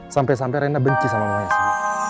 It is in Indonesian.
sampai sampai reina benci sama lo ya sa